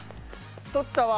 取ったわ。